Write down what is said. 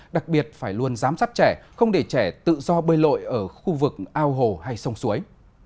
đặc biệt phải luôn giám sát trẻ không để trẻ tự do bơi lội ở khu vực ao hồ hay sông suối